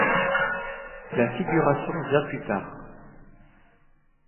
La figuration vient plus tard.